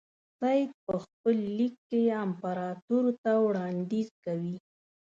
سید په خپل لیک کې امپراطور ته وړاندیز کوي.